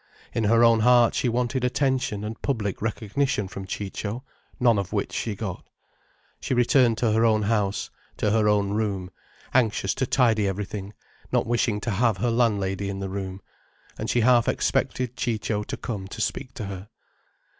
In her own heart she wanted attention and public recognition from Ciccio—none of which she got. She returned to her own house, to her own room, anxious to tidy everything, not wishing to have her landlady in the room. And she half expected Ciccio to come to speak to her.